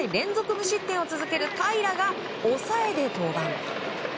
無失点を続ける平良が抑えで登板。